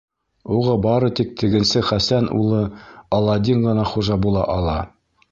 Уға бары тик тегенсе Хәсән улы Аладдин ғына хужа була ала.